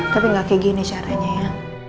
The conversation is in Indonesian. tapi gak kayak gini caranya ya